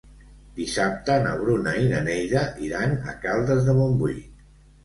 Dissabte na Bruna i na Neida iran a Caldes de Montbui.